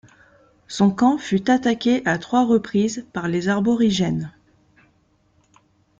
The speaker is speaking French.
Son camp fut attaqué à trois reprises par les Aborigènes.